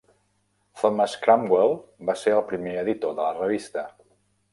Thomas Cromwell va ser el primer editor de la revista.